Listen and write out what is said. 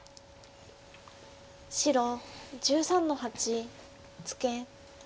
白１３の八ツケ。